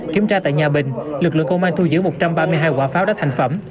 kiểm tra tại nhà bình lực lượng công an thu giữ một trăm ba mươi hai quả pháo đã thành phẩm